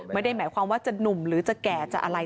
ไม่ได้หมายความว่าจะหนุ่มหรือจะแก่จะอะไร